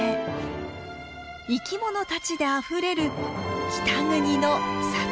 生きものたちであふれる北国の里山です。